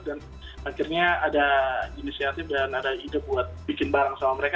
dan akhirnya ada inisiatif dan ada ide buat bikin barang sama mereka